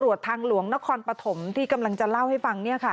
ทางหลวงนครปฐมที่กำลังจะเล่าให้ฟัง